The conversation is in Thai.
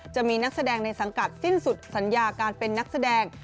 จะมีนักแสดงในสังกัดสิ้นสุดสัญญาการเป็นนักแสดง